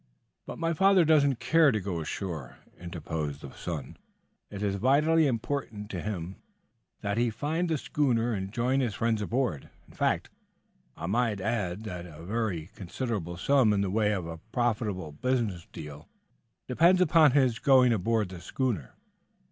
"But my father does not care to go ashore," interposed the son. "It is vitally important to him that he find the schooner and join his friends aboard. In fact, I may add that a very considerable sum in the way of a profitable business deal depends upon his going aboard the schooner."